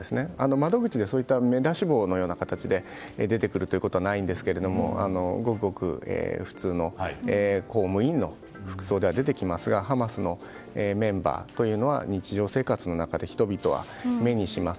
窓口で、目出し帽のような形で出てくることはないんですがごくごく普通の公務員の服装で出てきますがハマスのメンバーというのは日常生活の中で人々は目にします。